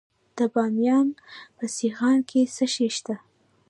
د بامیان په سیغان کې څه شی شته؟